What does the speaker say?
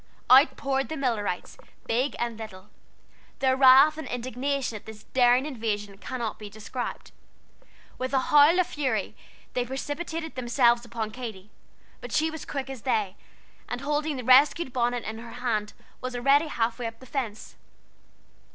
Out poured the Millerites, big and little. Their wrath and indignation at this daring invasion cannot be described. With a howl of fury they precipitated themselves upon Katy, but she was quick as they, and holding the rescued bonnet in her hand, was already half way up the fence.